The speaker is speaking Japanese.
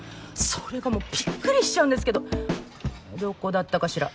それがもうびっくりしちゃうんですけどどこだったかしら。